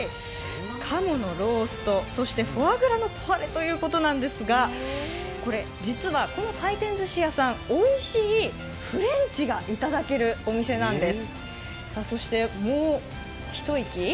鴨のロースとフォアグラのポワレということなんですが実はこの回転寿司屋さん、おいしいフレンチがいただけるお店なんです。